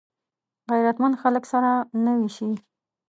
غیرتمند خلک سره نه وېشي